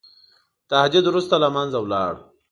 تهدید وروسته له منځه ولاړ.